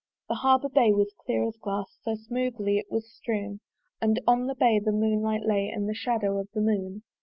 The harbour bay was clear as glass, So smoothly it was strewn! And on the bay the moon light lay, And the shadow of the moon.